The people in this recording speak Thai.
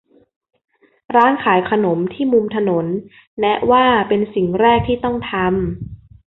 ร้านขายขนมที่มุมถนน แนะว่าเป็นสิ่งแรกที่ต้องทำ